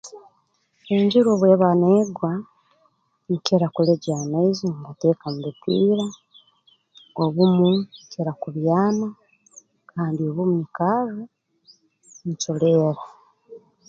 Enjura obu eba negwa nkira kulegya amaizi ngateeka mu bipiira obumu nkira kubyama kandi obumu nyikarra nculeera